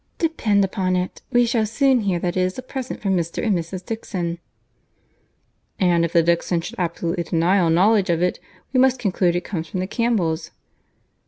Depend upon it, we shall soon hear that it is a present from Mr. and Mrs. Dixon." "And if the Dixons should absolutely deny all knowledge of it we must conclude it to come from the Campbells."